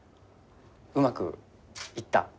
うまくいった？